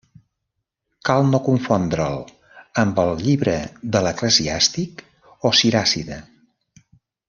Cal no confondre'l amb el Llibre de l'Eclesiàstic o Siràcida.